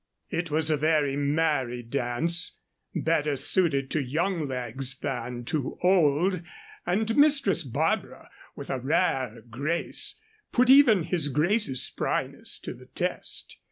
It was a very merry dance, better suited to young legs than to old, and Mistress Barbara, with a rare grace, put even his grace's spryness to the test.